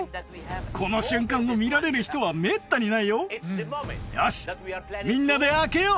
この瞬間を見られる人はめったにないよよしみんなで開けよう！